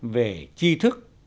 về chi thức